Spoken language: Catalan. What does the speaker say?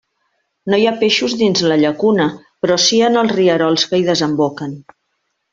No hi ha peixos dins la llacuna però sí en els rierols que hi desemboquen.